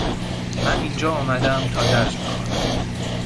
من اینجا آمدم تا درس بخوانم.